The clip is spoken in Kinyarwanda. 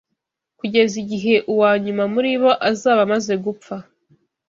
kugeza igihe uwa nyuma muri bo azaba amaze gupfa.